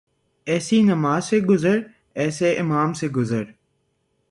ایسی نماز سے گزر ، ایسے امام سے گزر